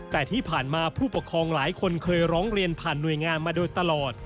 แต่ที่ผ่านมาผู้ปกครองหลายคนเคยร้องเรียนผ่านหน่วยงานมาโดยตลอด